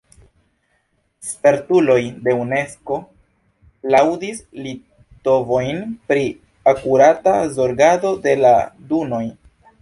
Spertuloj de Unesko laŭdis litovojn pri akurata zorgado de la dunoj.